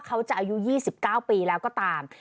เขาจะอายุ๒๙ปีแล้วก็ตาม